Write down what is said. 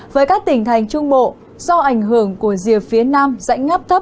với các tỉnh thành trung bộ do ảnh hưởng của rìa phía nam dãy ngáp thấp